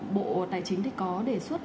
bộ tài chính có đề xuất